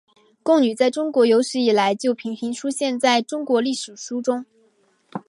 贡女在中国有史以来就频频出现在中国史书中。